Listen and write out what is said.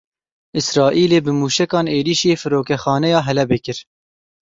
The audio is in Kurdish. Îsraîlê bi mûşekan êrişî Firokexaneya Helebê kir.